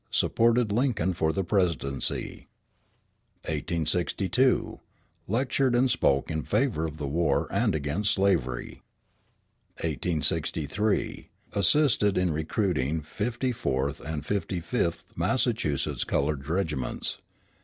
Supported Lincoln for the Presidency. 1862 Lectured and spoke in favor of the war and against slavery. 1863 Assisted in recruiting Fifty fourth and Fifty fifth Massachusetts colored regiments.